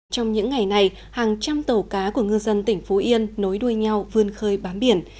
trong những ngày này hàng trăm tàu cá của ngư dân tỉnh phú yên nối đuôi nhau vươn khơi bám biển